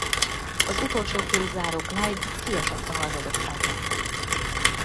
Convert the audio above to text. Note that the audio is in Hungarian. Az utolsóként záró Clyde kiesett a harmadosztályba.